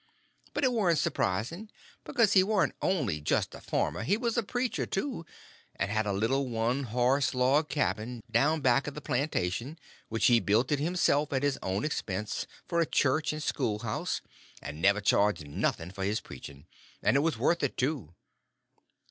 But it warn't surprising; because he warn't only just a farmer, he was a preacher, too, and had a little one horse log church down back of the plantation, which he built it himself at his own expense, for a church and schoolhouse, and never charged nothing for his preaching, and it was worth it, too.